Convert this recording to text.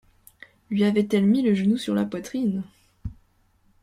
lui avait-elle mis le genou sur la poitrine !